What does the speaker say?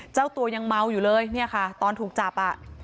เจ้าตัวยังเมาอยู่เลยตอนถูกจับ